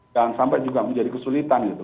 dan sampai juga menjadi kesulitan gitu